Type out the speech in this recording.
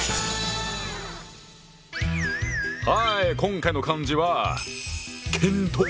はい今回の漢字は「検討」。